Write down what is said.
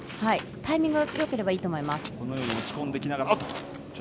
タイミングよければいいと思います。